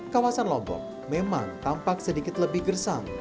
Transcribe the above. kawasan lombok memang tampak sedikit lebih gersang